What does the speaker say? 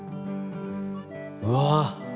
うわ！